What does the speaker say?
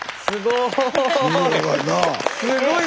すごい！